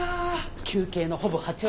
求刑のほぼ８割。